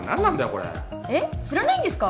これえっ知らないんですか？